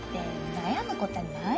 悩むことはないの。